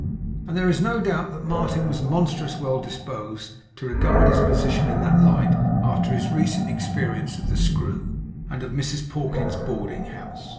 And there is no doubt that Martin was monstrous well disposed to regard his position in that light, after his recent experience of the Screw, and of Mrs Pawkins's boarding house.